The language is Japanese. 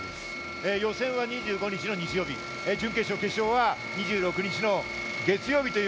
予選は２５日の日曜日、準決勝、決勝は２６日の月曜日。